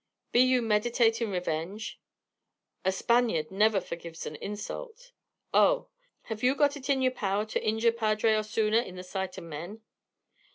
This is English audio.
"Be you meditatin' revenge?" "A Spaniard never forgives an insult." "Oh, ... have you got it in yer power to injure Padre Osuna in the sight o' men?"